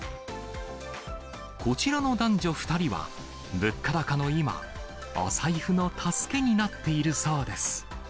こちらの男女２人は、物価高の今、お財布の助けになっているそうです。